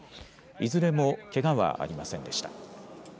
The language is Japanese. いずれもけがはありませんでした。